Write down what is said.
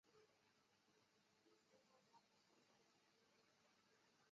此外学校的国际经济系和自然灾害研究所亦享有国际声誉。